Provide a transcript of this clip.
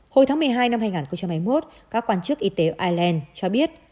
hồi tháng một mươi hai năm hai nghìn hai mươi một các quan chức y tế ireland cho biết